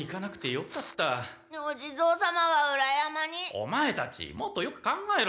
オマエたちもっとよく考えろ。